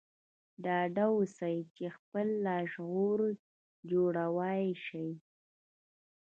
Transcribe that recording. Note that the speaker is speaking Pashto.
ډاډه اوسئ چې خپل لاشعور جوړولای شئ